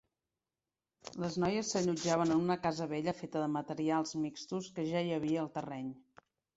Les noies s'allotjaven en una casa vella feta de materials mixtos que ja hi havia al terreny.